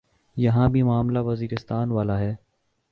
یہاں بھی معاملہ وزیرستان والا ہے۔